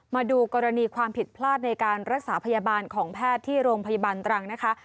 มาดูกรณีความผิดพลาดในการรักษาพยาบาลของแพทย์ที่โรงพยาบาลตรังนะคะ